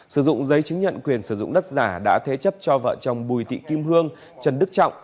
sử dụng giấy chứng nhận quyền sử dụng đất giả đã thế chấp cho vợ chồng bùi tị kim hương trần đức trọng